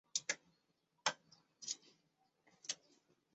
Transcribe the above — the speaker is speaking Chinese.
这里的数据不包含二手专辑的转售。